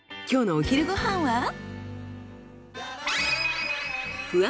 今日のお昼ご飯は？